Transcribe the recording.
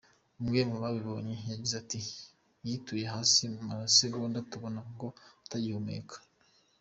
Umwe mu babibonye yagize ati: “Yituye hasi mu masegonda tubona ko atagihumeka.